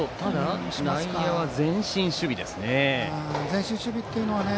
内野は前進守備ですね。